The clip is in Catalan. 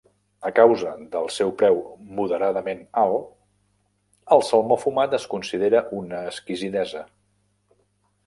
A causa del seu preu moderadament alt, el salmó fumat es considera una exquisidesa.